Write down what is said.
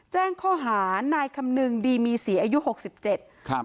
แจ้งข้อหานายคำนึงดีมีศรีอายุหกสิบเจ็ดครับ